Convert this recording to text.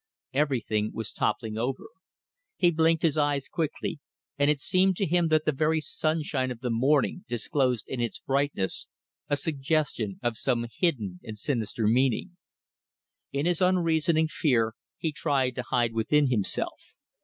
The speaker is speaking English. Everything was toppling over. He blinked his eyes quickly, and it seemed to him that the very sunshine of the morning disclosed in its brightness a suggestion of some hidden and sinister meaning. In his unreasoning fear he tried to hide within himself.